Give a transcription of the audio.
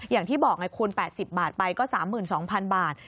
อย่างที่บอกไงคูณ๘๐บาทไปก็๓๒๐๐๐บาท